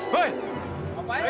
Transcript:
tidak bisa ya